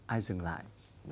ai dừng lại